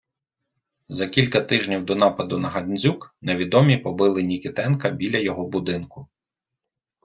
За кілька тижнів до нападу на Гандзюк невідомі побили Нікітенка біля його будинку.